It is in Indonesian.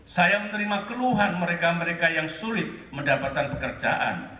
saya menerima keluhan mereka mereka yang sulit mendapatkan pekerjaan